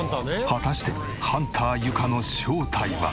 果たしてハンター結香の正体は。